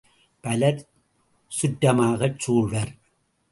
பலர், சுற்றமாகச் சூழ்வர்.